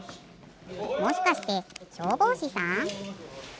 もしかしてしょうぼうしさん？